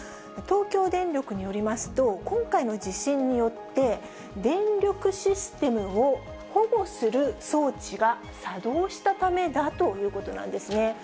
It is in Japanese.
東京電力によりますと、今回の地震によって、電力システムを保護する装置が作動したためだということなんですね。